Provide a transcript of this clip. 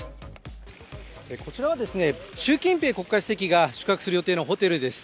こちらは習近平国家主席が宿泊する予定のホテルです。